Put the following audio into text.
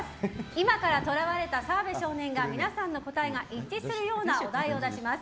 今からとらわれた澤部少年が皆さんの答えが一致するようなお題を出します。